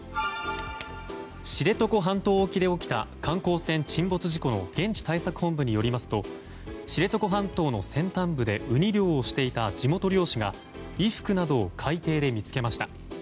知床半島沖で起きた観光船沈没事故の現地対策本部によりますと知床半島の先端部でウニ漁をしていた地元漁師が衣服などを海底で見つけました。